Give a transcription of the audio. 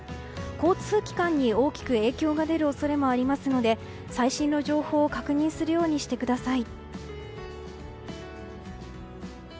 交通機関に大きく影響が出る恐れがありますので最新の情報を確認するようにしてください。